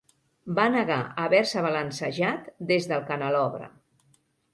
Va negar haver-se balancejat des del canelobre.